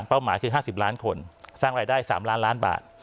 เป้าหมายคือ๕๐ล้านคนสร้างรายได้๓ล้านบาท